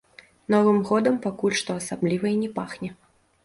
Новым годам пакуль што асабліва і не пахне.